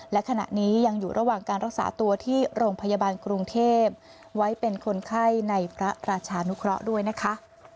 และขณะนี้ยังอยู่ระหว่างการรักษาตัวที่โรงพยาบาลกรุงเทพไว้เป็นคนไข้ในพระราชานุเคราะห์ด้วยนะคะ